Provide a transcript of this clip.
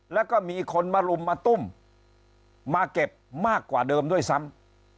แล้วก็มีคนมาลุมมาตุ้มมาเก็บมากกว่าเดิมด้วยซ้ำ